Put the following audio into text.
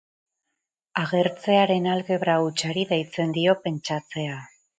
Agertzearen algebra hutsari deitzen dio pentsatzea.